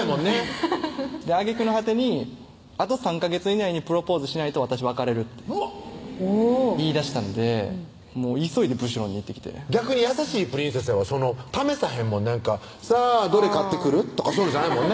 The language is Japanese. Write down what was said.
フフフフッあげくの果てに「あと３ヵ月以内にプロポーズしないと私別れる」ってうわっ言いだしたんで急いでブシュロンに行ってきて逆に優しいプリンセスやわ試さへんもんなんか「さぁどれ買ってくる？」とかそういうのじゃないもんね